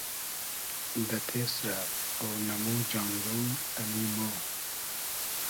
دۂ تېسرۂ اۉنئمو جاندوم ، امی مۉ